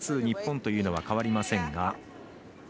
日本というのは変わりませんが。